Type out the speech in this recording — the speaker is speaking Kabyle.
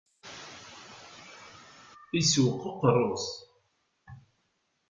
Isewweq uqerru-s.